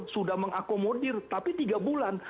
sudah mengakomodir tapi tiga bulan